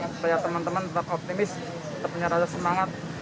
supaya teman teman tetap optimis tetap punya rasa semangat